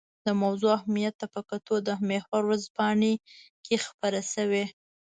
د موضوع اهمیت ته په کتو په محور ورځپاڼه کې خپره شوې.